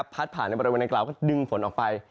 ผ่านในบริเวณดังกล่าวก็ดึงฝนออกไป